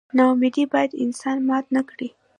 نا امیدي باید انسان مات نه کړي.